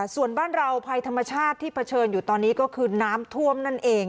ส่วนบ้านเราภัยธรรมชาติที่เผชิญอยู่ตอนนี้ก็คือน้ำท่วมนั่นเอง